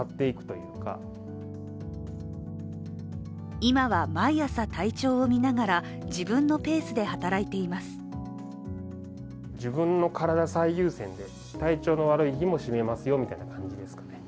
今は毎朝、体調を見ながら自分のペースで働いています。